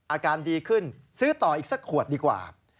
อาการดีขึ้นซื้อต่ออีกสักขวดดีกว่า